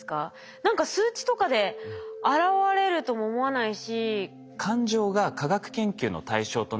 何か数値とかで表れるとも思わないし。